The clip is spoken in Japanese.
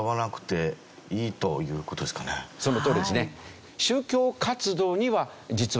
そのとおりですね。